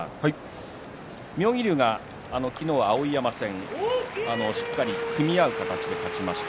妙義龍、昨日は碧山戦しっかりと組み合う形で勝ちました。